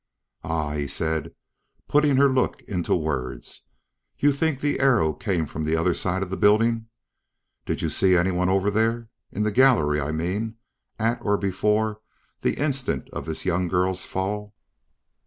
"Ah," said he, putting her look into words, "you think the arrow came from the other side of the building. Did you see anyone over there, in the gallery, I mean, at or before the instant of this young girl's fall?"